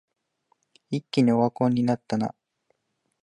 一気にオワコンになったな